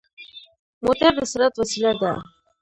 موټر د سرعت وسيله ده.